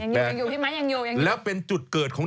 ฟันทง